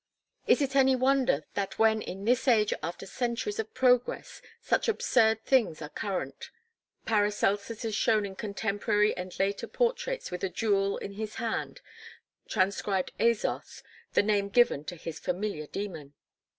Is it any wonder that when in this age after centuries of progress such absurd things are current Paracelsus is shewn in contemporary and later portraits with a jewel in his hand transcribed Azoth the name given to his familiar dæmon.